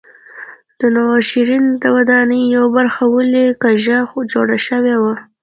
د نوشیروان د ودانۍ یوه برخه ولې کږه جوړه شوې وه.